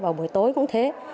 và buổi tối cũng thế